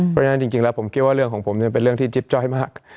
เพราะฉะนั้นจริงแล้วผมคิดว่าเรื่องของผมเป็นเรื่องที่จิ๊บจ้อยมาก